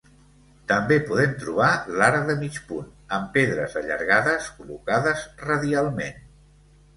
També podem trobar l’arc de mig punt, amb pedres allargades col·locades radialment.